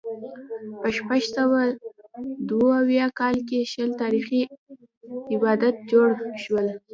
په شپږ سوه دوه اویا کال کې شل تاریخي آبدات جوړ شول